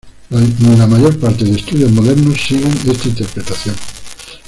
La mayor parte de estudios modernos siguen esta interpretación.